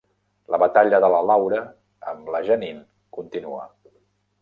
La batalla de la Laura amb la Janine continua.